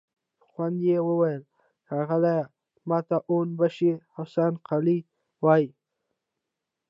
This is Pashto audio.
په خوند يې وويل: ښاغليه! ماته اون باشي حسن قلي وايه!